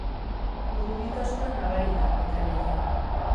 Urduritasuna nabari da, eta lehia.